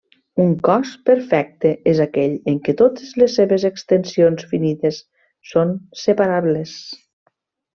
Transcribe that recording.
Un cos perfecte és aquell en què totes les seves extensions finites són separables.